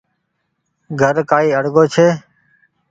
گھر ڪآئي اڙگو ڇي ۔